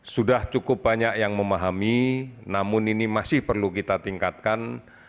sudah cukup banyak yang memahami namun ini masih perlu kita tingkatkan